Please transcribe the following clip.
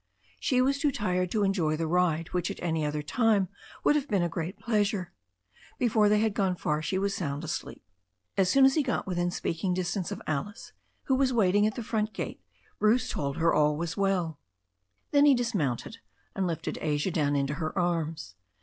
She was too tired to enjoy the ride, which at any other time would have been a great adventure. Before they had gone far she was sound asleep. As soon as he got within speaking distance of Alice, who was waiting at the front gate, Bruce told her all was well. THE STORY OF A NEW ZEALAND RIVER 125 Then he dismounted and lifted Asia down into her arms.